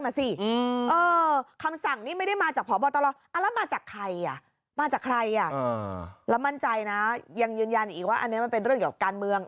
นี่ไงค่อนดนตรก็อาร์ากรอนุมเจ้าน่ะยังยืนยันอีกว่าอันเนี่ยมันเป็นการไปเมือง